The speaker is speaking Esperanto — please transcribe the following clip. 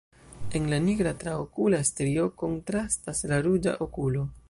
En la nigra traokula strio kontrastas la ruĝa okulo.